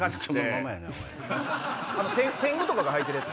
てんぐとかが履いてるやつ。